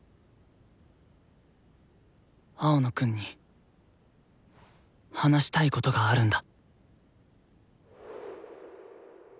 青野くんに話したいことがあるんだ。